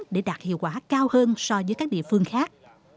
để đạt hiệu quả cao hơn so với các địa phương khác